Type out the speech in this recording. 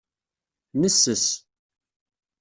Nesses.